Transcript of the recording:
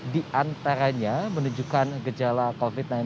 empat ratus dua puluh delapan diantaranya menunjukkan gejala covid sembilan belas